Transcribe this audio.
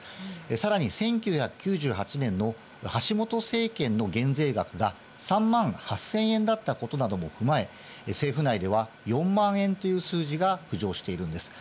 さらに１９９８年の橋本政権の減税額が３万８０００円だったことなども踏まえ、政府内では４万円という数字が浮上しているんです。